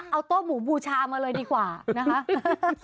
เอาโต๊ะหมูบูชามาเลยดีกว่านะคะ